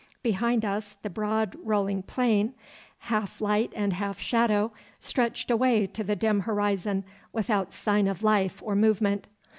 Behind us the broad rolling plain, half light and half shadow, stretched away to the dim horizon without sign of life or movement.